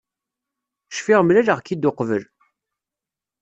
Cfiɣ mlaleɣ-k-id uqbel.